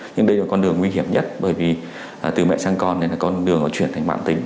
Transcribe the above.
nhưng đây là con đường nguy hiểm nhất bởi vì từ mẹ sang con này là con đường họ chuyển thành mạng tính